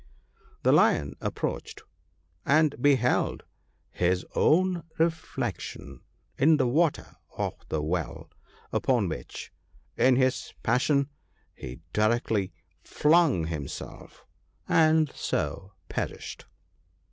The Lion ap proached, and beheld his own reflection in the water of the well, upon which, in his passion, he directly flung himself, and so perished."